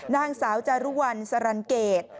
นางสาวจารุวันสลันเกจ